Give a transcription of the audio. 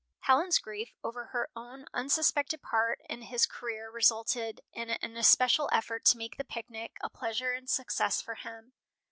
Helen's grief over her own unsuspected part in his career resulted in an especial effort to make the picnic a pleasure and success for him.